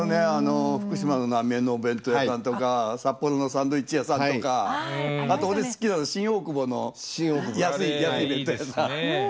「福島の浪江のお弁当屋さん」とか「札幌のサンドイッチ屋さん」とかあと俺好きなのは「新大久保の安い弁当屋さん」。